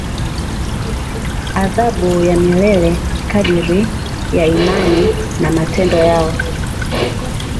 adhabu ya milele kadiri ya imani na matendo yao